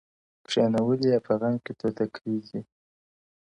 • کښېنولي یې په غم کي توتکۍ دي ,